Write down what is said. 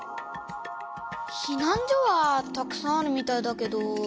ひなん所はたくさんあるみたいだけど。